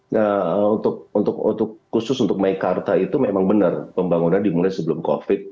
nah untuk khusus untuk mekarta itu memang benar pembangunan dimulai sebelum covid sembilan belas